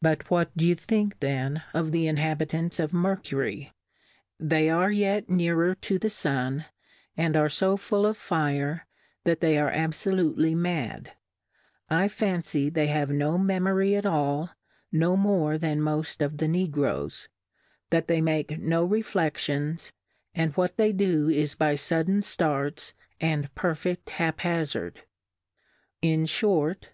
But what d'ye think then of the In habitants of Mercury ? They are yet nearer to the Sun, and are fo full of Fire, that they are abfolately Mad ; I fancy they have no Memory at all, no more than moftof the Negroes; that riiey make no Refledions, and what they do is by fudden Starts, and perfect Hap hazard; in {hort.